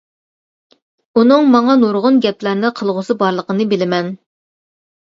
ئۇنىڭ ماڭا نۇرغۇن گەپلەرنى قىلغۇسى بارلىقىنى بىلىمەن.